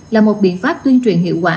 là một biện pháp tuyên truyền hiệu quả